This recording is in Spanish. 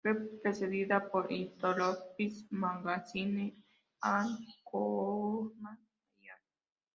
Fue precedida por "Philosophical Magazine and Journal" y "Ann.